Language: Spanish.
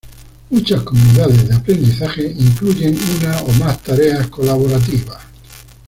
Muchas comunidades de aprendizaje incluyen una o más tareas colaborativas.